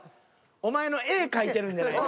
お前の絵描いてるんじゃない。